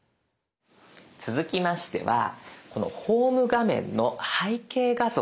続きましてはこのホーム画面の背景画像